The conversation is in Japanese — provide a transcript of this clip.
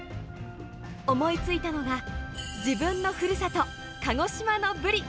思いついたのが、自分のふるさと、鹿児島のブリ。